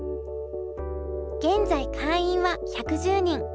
現在会員は１１０人。